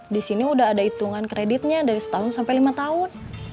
di sini udah ada hitungan kreditnya dari setahun sampai lima tahun